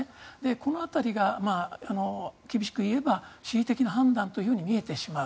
この辺りが厳しく言えば恣意的な判断というふうに見えてしまう。